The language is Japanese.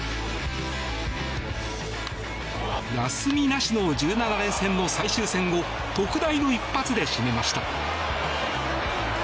休みなしの１７連戦の最終戦を特大の一発で締めました。